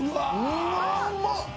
うまっ！